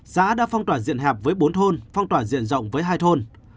xã đã phong tỏa diện hạp với bốn thôn phong tỏa diện rộng với hai thôn